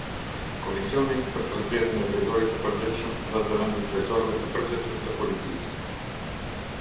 Komisioni për përzgjedhjen e Drejtorit te Përgjithshëm dhe Zëvendësdrejtorëve të Përgjithshëm të Policisë.